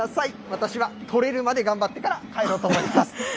私は取れるまで頑張ってから帰ろうと思います。